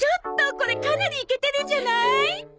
これかなりイケてるんじゃない？